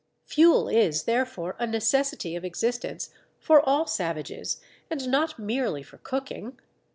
Fuel is therefore a necessity of existence for all savages, and not merely for cooking.